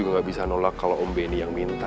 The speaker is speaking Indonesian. gue gak bisa nolak kalau om benny yang minta